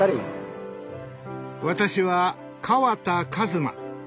私は川田一馬。